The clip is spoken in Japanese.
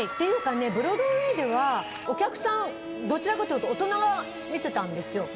ブロードウェーではお客さんどちらかというと大人が見ていたんですよ。